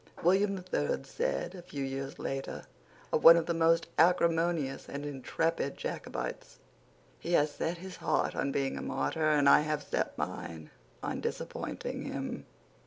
William the Third said, a few years later, of one of the most acrimonious and intrepid Jacobites, "He has set his heart on being a martyr, and I have set mine on disappointing him."